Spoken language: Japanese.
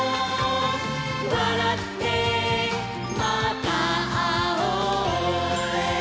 「わらってまたあおう」